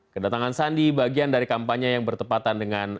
kedatangan sandi bagian dari kampanye yang bertepatan dengan